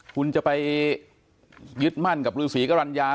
คุณจะไปยึดมั่นกับฤษีกรรณญา